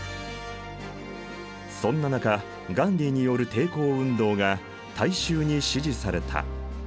そんな中ガンディーによる抵抗運動が大衆に支持された。